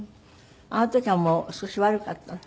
あの時はもう少し悪かったの？